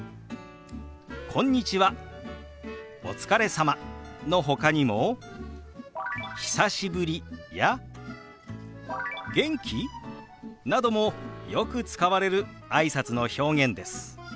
「こんにちは」「お疲れ様」のほかにも「久しぶり」や「元気？」などもよく使われるあいさつの表現です。